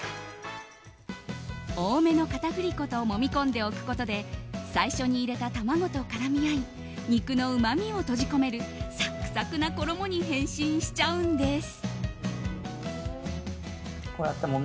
多めの片栗粉ともみ込んでおくことで最初に入れた卵と絡み合い肉のうまみを閉じ込めるサクサクな衣に変身しちゃうんです。